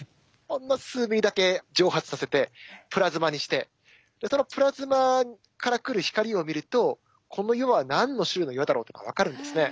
ほんの数ミリだけ蒸発させてプラズマにしてそのプラズマから来る光を見るとこの岩は何の種類の岩だろうとか分かるんですね。